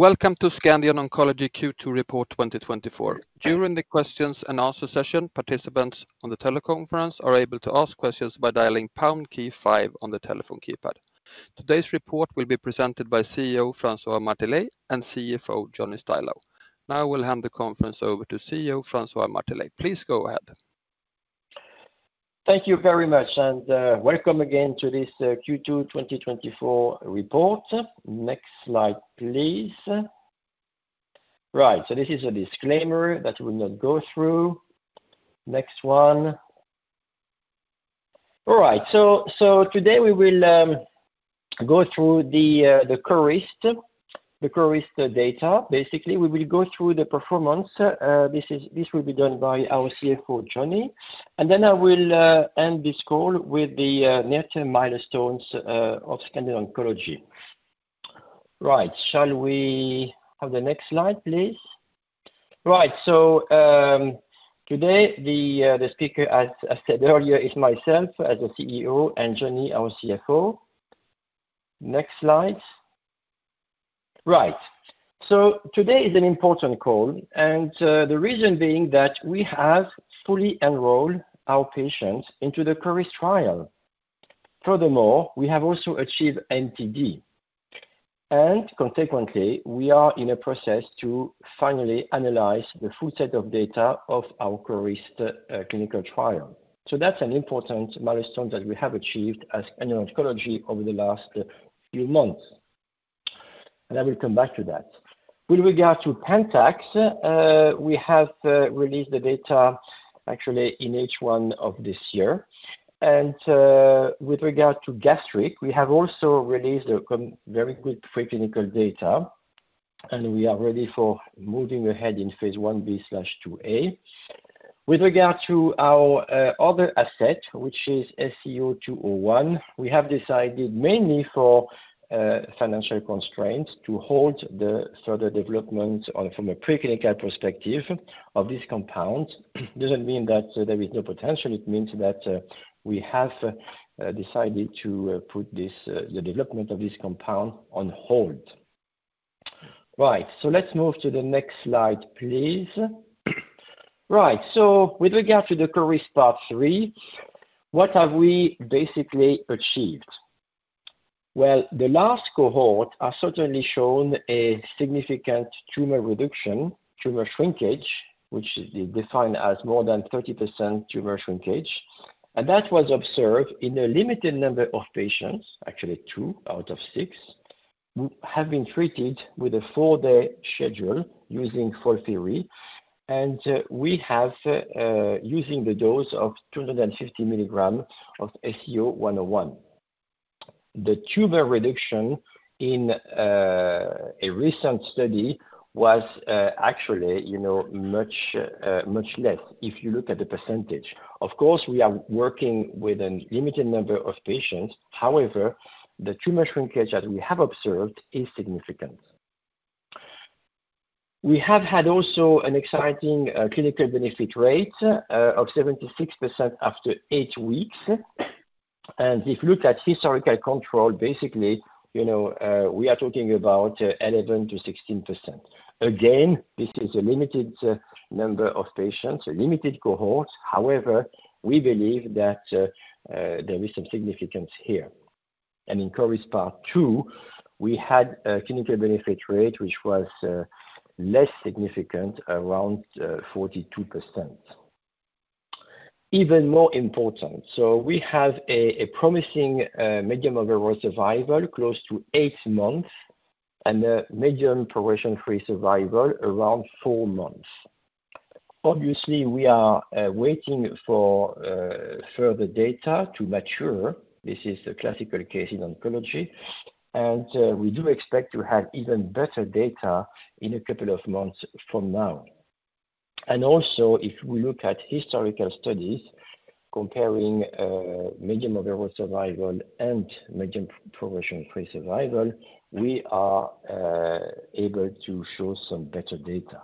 ...Welcome to Scandion Oncology Q2 report twenty twenty-four. During the questions and answer session, participants on the teleconference are able to ask questions by dialing pound key five on the telephone keypad. Today's report will be presented by CEO François Martelet and CFO Johnny Stilou. Now, I will hand the conference over to CEO François Martelet. Please go ahead. Thank you very much, and welcome again to this Q2 twenty twenty-four report. Next slide, please. Right, so this is a disclaimer that we'll not go through. Next one. All right, so today we will go through the CORIST data. Basically, we will go through the performance. This will be done by our CFO, Johnny. And then I will end this call with the near-term milestones of Scandion Oncology. Right. Shall we have the next slide, please? Right. So today the speaker, as I said earlier, is myself as the CEO and Johnny, our CFO. Next slide. Right. So today is an important call, and the reason being that we have fully enrolled our patients into the CORIST trial. Furthermore, we have also achieved MTD, and consequently, we are in a process to finally analyze the full set of data of our CORIST clinical trial. So that's an important milestone that we have achieved at Scandion Oncology over the last few months, and I will come back to that. With regard to PANTAX, we have released the data actually earlier this year. And with regard to gastric, we have also released very good pre-clinical data, and we are ready for moving ahead in phase Ib/IIa. With regard to our other asset, which is SCO-201, we have decided mainly for financial constraints to hold the further development on from a preclinical perspective of this compound. Doesn't mean that there is no potential, it means that we have decided to put this the development of this compound on hold. Right. So let's move to the next slide, please. Right, so with regard to the CORIST part three, what have we basically achieved? The last cohort has certainly shown a significant tumor reduction, tumor shrinkage, which is defined as more than 30% tumor shrinkage. That was observed in a limited number of patients, actually, two out of six, who have been treated with a four-day schedule using FOLFIRI, and we have using the dose of 250 milligrams of SCO-101. The tumor reduction in a recent study was actually, you know, much, much less, if you look at the percentage. Of course, we are working with a limited number of patients. However, the tumor shrinkage that we have observed is significant. We have had also an exciting clinical benefit rate of 76% after eight weeks. If you look at historical control, basically, you know, we are talking about 11-16%. Again, this is a limited number of patients, a limited cohort. However, we believe that there is some significance here. In CORIST part two, we had a clinical benefit rate, which was less significant around 42%. Even more important, we have a promising median overall survival close to eight months, and a median progression-free survival around four months. Obviously, we are waiting for further data to mature. This is a classical case in oncology, and we do expect to have even better data in a couple of months from now. Also, if we look at historical studies comparing median overall survival and median progression-free survival, we are able to show some better data.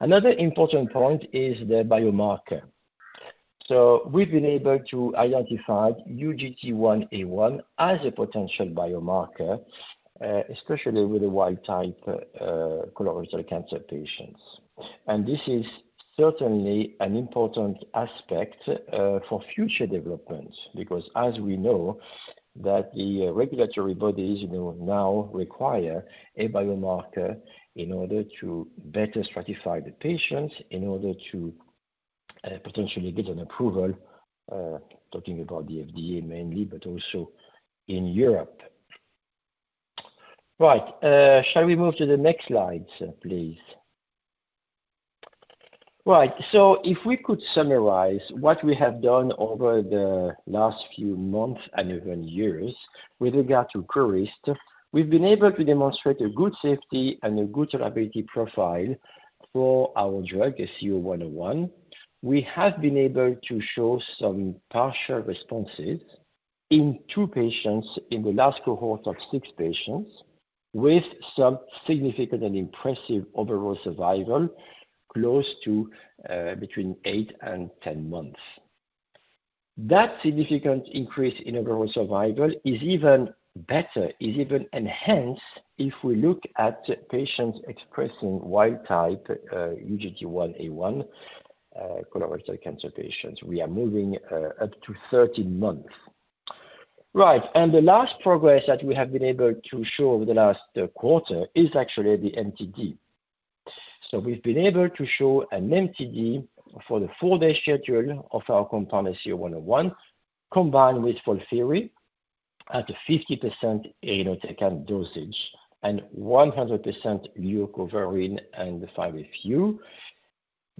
Another important point is the biomarker. So we've been able to identify UGT1A1 as a potential biomarker, especially with the wild-type colorectal cancer patients. And this is certainly an important aspect for future developments. Because as we know, that the regulatory bodies, you know, now require a biomarker in order to better stratify the patients, in order to potentially get an approval, talking about the FDA mainly, but also in Europe. Right. Shall we move to the next slide, please? Right. If we could summarize what we have done over the last few months and even years with regard to CORIST, we've been able to demonstrate a good safety and a good tolerability profile for our drug, SCO-101. We have been able to show some partial responses in two patients in the last cohort of six patients, with some significant and impressive overall survival, close to between eight and 10 months. That significant increase in overall survival is even better, is even enhanced if we look at patients expressing wild-type UGT1A1 colorectal cancer patients. We are moving up to 13 months. Right, and the last progress that we have been able to show over the last quarter is actually the MTD. So we've been able to show an MTD for the four-day schedule of our compound SCO-101, combined with FOLFIRI at a 50% irinotecan dosage and 100% leucovorin and 5-FU,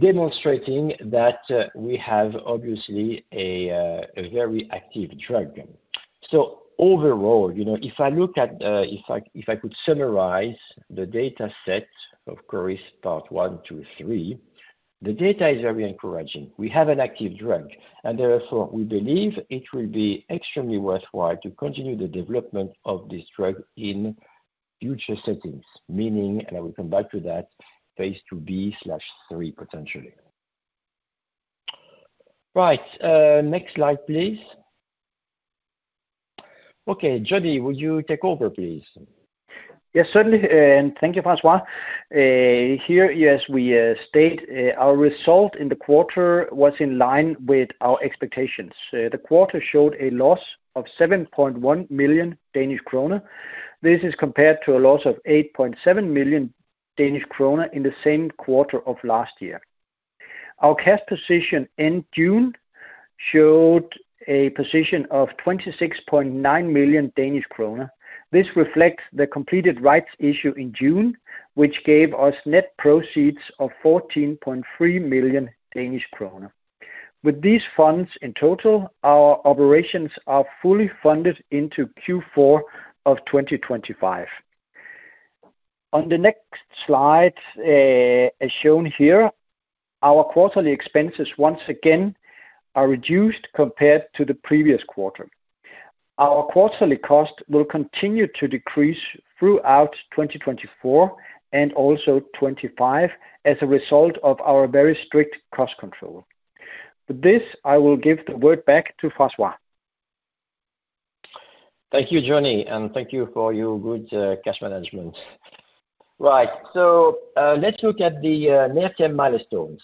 demonstrating that we have obviously a very active drug. So overall, you know, if I could summarize the data set of CORIST part one, two, three, the data is very encouraging. We have an active drug, and therefore, we believe it will be extremely worthwhile to continue the development of this drug in future settings. Meaning, and I will come back to that, phase IIb/III, potentially. Right. Next slide, please. Okay, Johnny, would you take over, please? Yes, certainly, and thank you, François. Here, yes, we state our result in the quarter was in line with our expectations. The quarter showed a loss of 7.1 million Danish kroner. This is compared to a loss of 8.7 million Danish kroner in the same quarter of last year. Our cash position in June showed a position of 26.9 million Danish kroner. This reflects the completed rights issue in June, which gave us net proceeds of 14.3 million Danish kroner. With these funds in total, our operations are fully funded into Q4 of 2025. On the next slide, as shown here, our quarterly expenses once again are reduced compared to the previous quarter. Our quarterly cost will continue to decrease throughout 2024 and also 2025, as a result of our very strict cost control. With this, I will give the word back to François. Thank you, Johnny, and thank you for your good cash management. Right. So, let's look at the near-term milestones.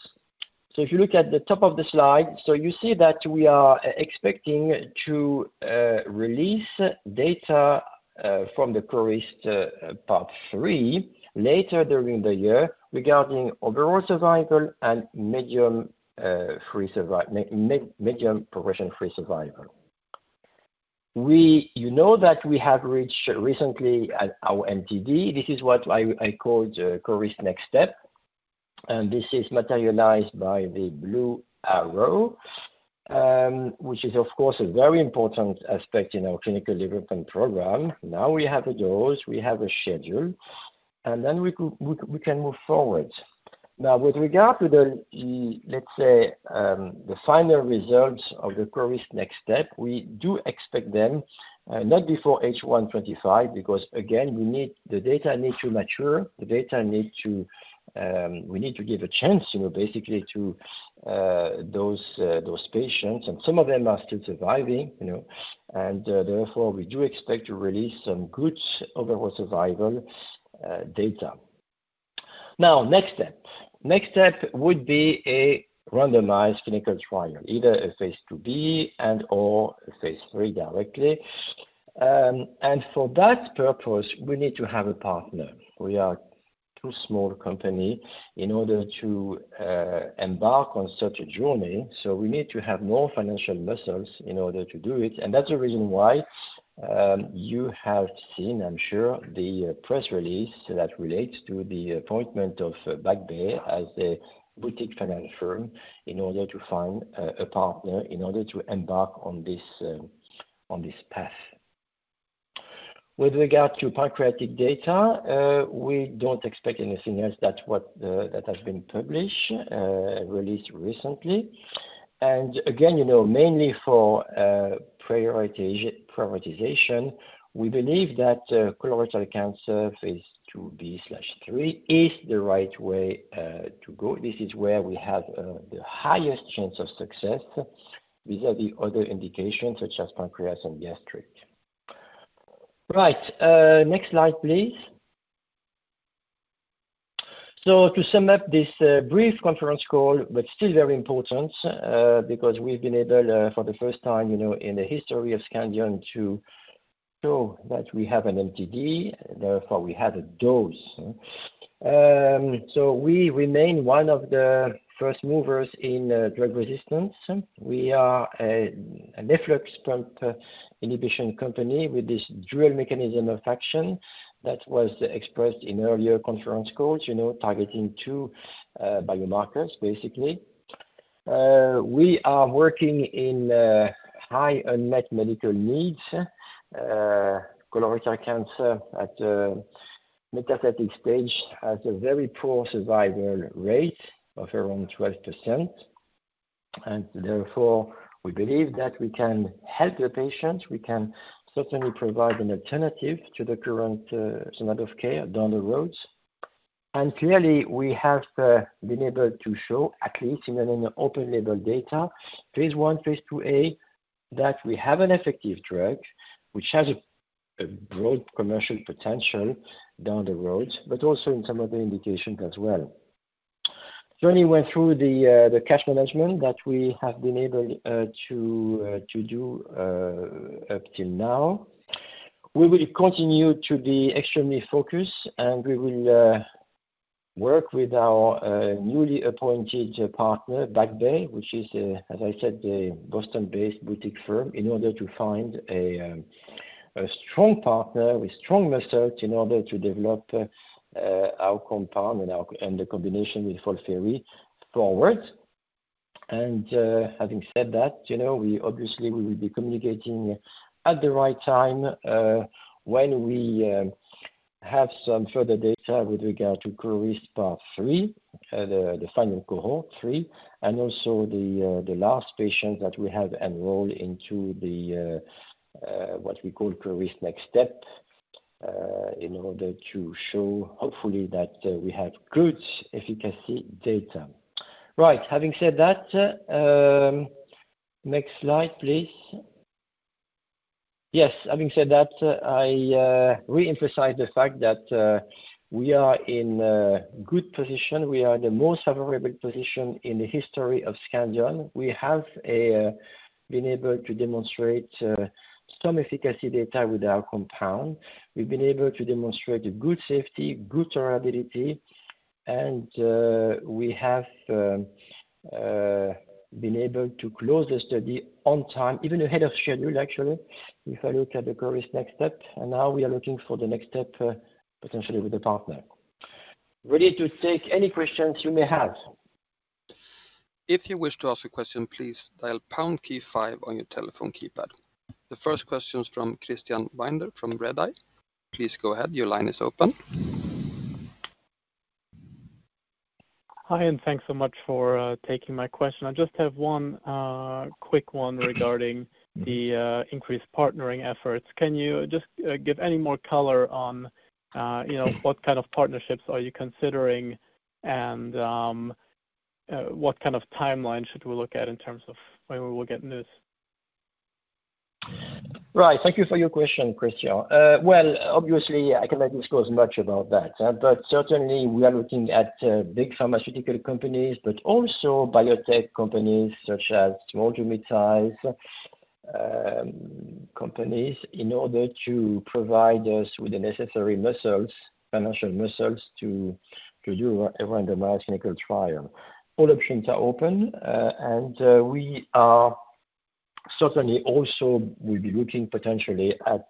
So if you look at the top of the slide, so you see that we are expecting to release data from the CORIST part three later during the year, regarding overall survival and median progression-free survival. You know, that we have reached recently at our MTD. This is what I call the CORIST next step, and this is materialized by the blue arrow, which is, of course, a very important aspect in our clinical development program. Now we have a dose, we have a schedule, and then we can move forward. Now, with regard to the, let's say, the final results of the CORIST next step, we do expect them not before H1 2025, because, again, we need the data to mature, we need to give a chance, you know, basically to those patients, and some of them are still surviving, you know. Therefore, we do expect to release some good overall survival data. Now, next step. Next step would be a randomized clinical trial, either a phase two B and/or a phase three directly, and for that purpose, we need to have a partner. We are too small company in order to embark on such a journey, so we need to have more financial muscles in order to do it, and that's the reason why you have seen, I'm sure, the press release that relates to the appointment of Back Bay Life Science Advisors as a boutique financial firm in order to find a partner, in order to embark on this path. With regard to pancreatic data, we don't expect anything else than what has been published released recently, and again, you know, mainly for prioritization, we believe that colorectal cancer phase IIb/III is the right way to go. This is where we have the highest chance of success vis-a-vis other indications such as pancreas and gastric. Right. Next slide, please. So to sum up this brief conference call, but still very important, because we've been able, for the first time, you know, in the history of Scandion to show that we have an MTD, therefore, we have a dose. So we remain one of the first movers in drug resistance. We are a resistance reversal company with this dual mechanism of action that was expressed in earlier conference calls, you know, targeting two biomarkers, basically. We are working in high unmet medical needs. Colorectal cancer at metastatic stage has a very poor survival rate of around 12%, and therefore we believe that we can help the patients. We can certainly provide an alternative to the current standard of care down the road. And clearly, we have been able to show, at least in open label data, phase one, phase two A, that we have an effective drug which has a broad commercial potential down the road, but also in some other indications as well. Johnny went through the cash management that we have been able to do up till now. We will continue to be extremely focused, and we will work with our newly appointed partner, Back Bay, which is, as I said, the Boston-based boutique firm, in order to find a strong partner with strong research in order to develop our compound and the combination with FOLFIRI forward. Having said that, you know, we obviously will be communicating at the right time, when we have some further data with regard to CORIST part three, the final cohort three, and also the last patient that we have enrolled into what we call CORIST Next Step, in order to show hopefully that we have good efficacy data. Right. Having said that, next slide, please. Yes. Having said that, I reemphasize the fact that we are in a good position. We are in the most favorable position in the history of Scandion. We have been able to demonstrate some efficacy data with our compound. We've been able to demonstrate a good safety, good tolerability, and we have been able to close the study on time, even ahead of schedule, actually, if I look at the CORIST next step, and now we are looking for the next step, potentially with a partner. Ready to take any questions you may have. If you wish to ask a question, please dial pound key five on your telephone keypad. The first question is from Christian Binder, from RedEye. Please go ahead. Your line is open. Hi, and thanks so much for taking my question. I just have one quick one regarding the increased partnering efforts. Can you just give any more color on you know, what kind of partnerships are you considering, and what kind of timeline should we look at in terms of when we will get news? Right. Thank you for your question, Christian. Well, obviously, I cannot disclose much about that, but certainly we are looking at big pharmaceutical companies, but also biotech companies such as small genetics companies, in order to provide us with the necessary muscles, financial muscles, to do a randomized clinical trial. All options are open, and we are certainly also will be looking potentially at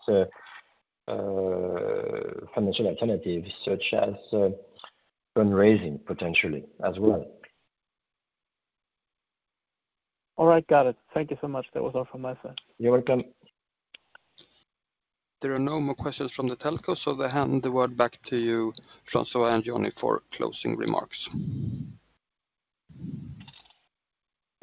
financial alternatives such as fundraising, potentially as well. All right, got it. Thank you so much. That was all from my side. You're welcome. There are no more questions from the telco, so I hand the word back to you, François and Johnny, for closing remarks.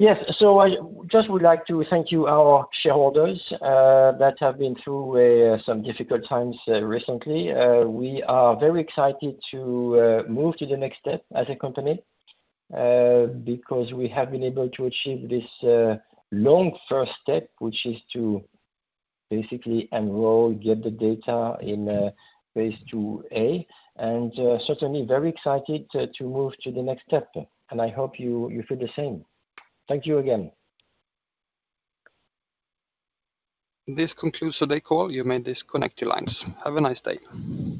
Yes, so I just would like to thank you, our shareholders, that have been through some difficult times recently. We are very excited to move to the next step as a company, because we have been able to achieve this long first step, which is to basically enroll, get the data in, phase two A, and certainly very excited to move to the next step, and I hope you feel the same. Thank you again. This concludes today's call. You may disconnect your lines. Have a nice day.